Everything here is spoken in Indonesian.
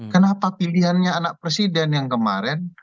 kenapa pilihannya anak presiden yang kemarin